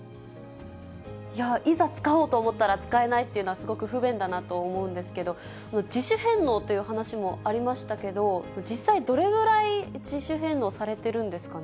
いや、いざ使おうと思ったら、使えないというのは、すごく不便だなと思うんですけど、自主返納という話もありましたけど、実際、どれぐらい自主返納されてるんですかね。